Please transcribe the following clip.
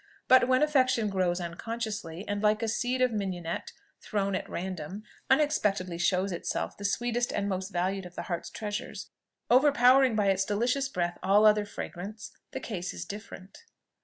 But when affection grows unconsciously, and, like a seed of minionette thrown at random, unexpectedly shows itself the sweetest and most valued of the heart's treasures, overpowering by its delicious breath all other fragrance, the case is different.